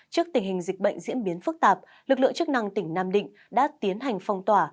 trước tình hình dịch bệnh diễn biến phức tạp lực lượng chức năng tỉnh nam định đã tiến hành phong tỏa